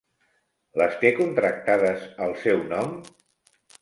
Les té contractades al seu nom?